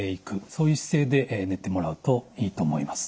そういう姿勢で寝てもらうといいと思います。